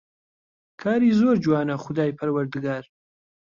کاری زۆر جوانە خودای پەروەردگار